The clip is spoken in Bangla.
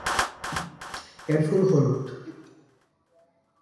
এর ফুল হলুদ।